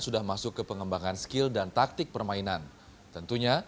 sudah masuk ke pengembangan skill dan taktik permainan tentunya